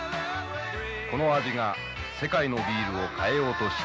この味が世界のビールを変えようとしている。